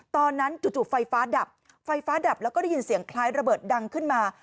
จู่ไฟฟ้าดับไฟฟ้าดับแล้วก็ได้ยินเสียงคล้ายระเบิดดังขึ้นมา